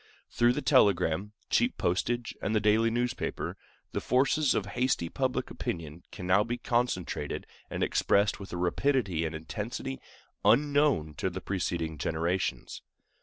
Through the telegram, cheap postage, and the daily newspaper, the forces of hasty public opinion can now be concentrated and expressed with a rapidity and intensity unknown to preceding generations.